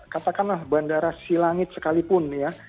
katakanlah bandara silangit sekalipun ya